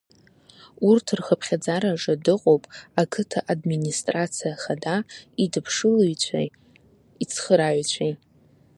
Урҭ рхыԥхьаӡараҿы дыҟоуп ақыҭа администрациа хада идыԥшылаҩцәеи ицхырааҩцәеи.